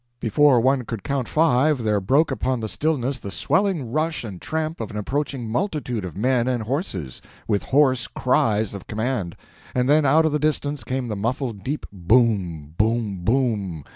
Before one could count five there broke upon the stillness the swelling rush and tramp of an approaching multitude of men and horses, with hoarse cries of command; and then out of the distance came the muffled deep boom!—boom boom!